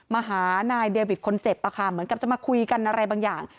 มาหานายเดวิทคนเจ็บเหมือนกับจะมาคุยกันอะไรบางอย่าง